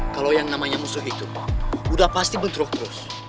kalau yang namanya musuh itu udah pasti bentrok terus